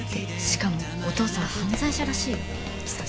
・しかもお父さん犯罪者らしいよ